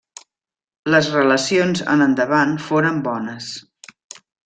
Les relacions en endavant foren bones.